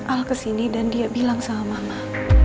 al kesini dan dia bilang sama mama